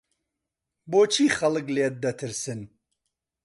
بۆچی خەڵک لێت دەترسن؟